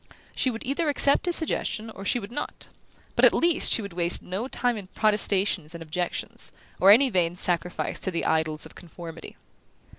She would either accept his suggestion, or she would not: but at least she would waste no time in protestations and objections, or any vain sacrifice to the idols of conformity.